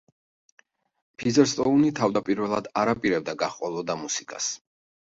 ფიზერსტოუნი თავდაპირველად არ აპირებდა გაჰყოლოდა მუსიკას.